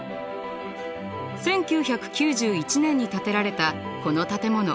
１９９１年に建てられたこの建物。